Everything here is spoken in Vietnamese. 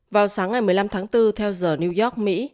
vào sáng ngày một mươi năm tháng bốn theo giờ new york mỹ